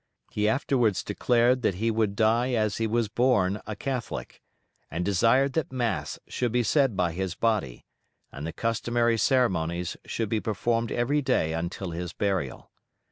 He afterwards declared that he would die, as he was born a Catholic, and desired that mass should be said by his body, and the customary ceremonies should be performed every day until his burial.